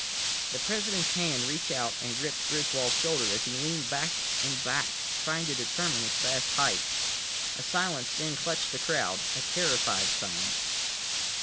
The President's hand reached out and gripped Griswold's shoulder as he leaned back and back, trying to determine its vast height. A silence then clutched the crowd—a terrified silence.